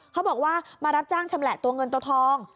เขาบอกว่ามารับจ้างชำแหละตัวเงินตัวทอง